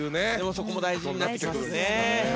そこも大事になってきますね。